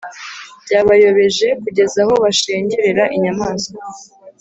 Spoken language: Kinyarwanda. byabayobeje kugeza aho bashengerera inyamaswa